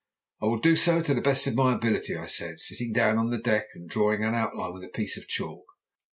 "I will do so to the best of my ability," I said, sitting down on the deck and drawing an outline with a piece of chalk.